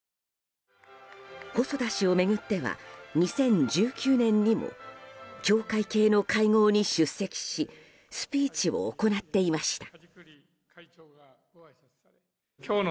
細田氏を巡っては２０１９年にも教会系の会合に出席しスピーチを行っていました。